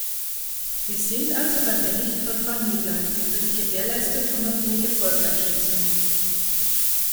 Wir sind also beim Bericht von Frau Niebler über die Gewährleistung unabhängiger Folgenabschätzungen.